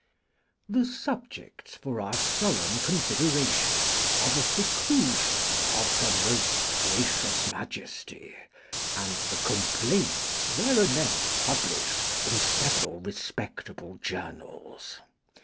The subjects for our solemn consideration are the seclusion of her Most Gracious Majesty, and the complaints thereanent published in several respectable journals.